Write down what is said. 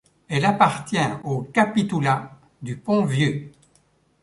Elle appartient au capitoulat du Pont-Vieux.